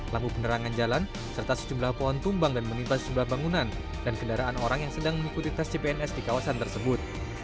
lampu penerangan jalan serta sejumlah pohon tumbang dan menimpa sejumlah bangunan dan kendaraan orang yang sedang mengikuti tes cpns di kawasan tersebut